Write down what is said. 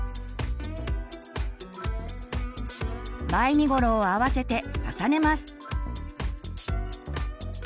前身頃を合わせて重ねます。